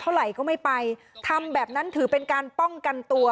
ไหลก็ไม่ไปทำแบบนั้นถือเป็นการป้องกันตัว